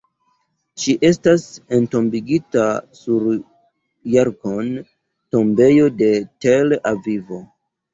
Ŝi estas entombigita sur Jarkon'-tombejo de Tel-Avivo.